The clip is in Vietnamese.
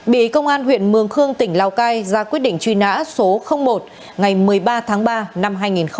bị công an huyện mường khương tỉnh lào cai ra quyết định truy nã số một ngày một mươi ba tháng ba năm hai nghìn một mươi